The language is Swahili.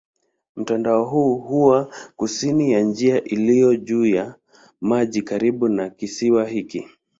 Mtandao huu huwa kusini ya njia iliyo juu ya maji karibu na kisiwa hiki.